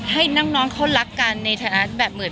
ให้น้องเขารักกันแบบเหมือน